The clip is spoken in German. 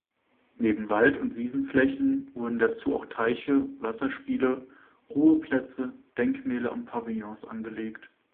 Neben Wald- und Wiesenflächen wurden dazu auch Teiche, Wasserspiele, Ruheplätze, Denkmäler und Pavillons angelegt.